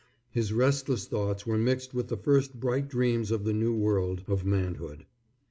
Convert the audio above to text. His restless thoughts were mixed with the first bright dreams of the new world of manhood.